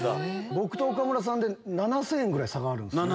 僕と岡村さんで７０００円ぐらい差がある。